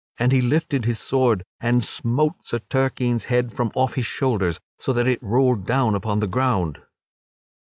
And he lifted his sword and smote Sir Turquine's head from off his shoulders, so that it rolled down upon the ground.